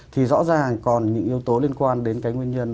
thì rõ ràng còn những yếu tố liên quan đến cái nguyên nhân